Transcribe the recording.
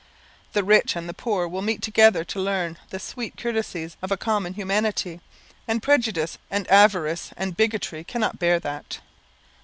The rich and the poor will meet together to learn the sweet courtesies of a common humanity, and prejudice and avarice and bigotry cannot bear that.